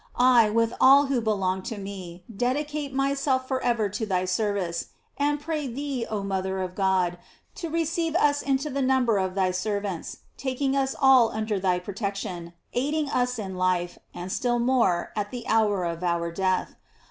I, with all 780 GLORIES OF MARY. who belong to me, dedicate myself forever to tby service, and pray thee, oh mother of God, to re ceive us into the number of thy servants, taking us all under thy protection, aiding us in life, and etill more, at the hour of our death.